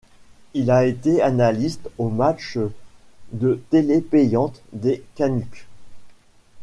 Il a été analyste aux matches de télé payante des Canucks.